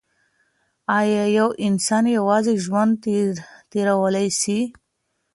ایا یو انسان یوازي ژوند تیرولای سي؟